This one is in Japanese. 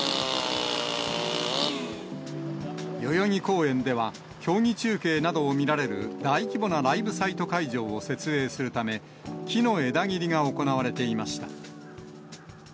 代々木公園では競技中継などを見られる、大規模なライブサイト会場を設営するため、木の枝切りが行われていました。